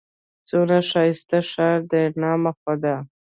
څونه ښايسته ښار دئ! نام خدا!